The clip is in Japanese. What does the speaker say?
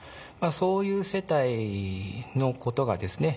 そういう世帯のことがですね